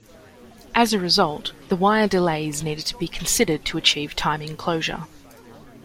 As a result, the wire delays needed to be considered to achieve timing closure.